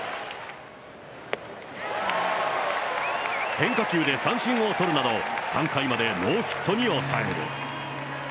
変化球で三振を取るなど、３回までノーヒットに抑える。